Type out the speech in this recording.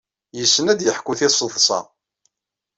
Yessen ad d-yeḥku tiseḍsa.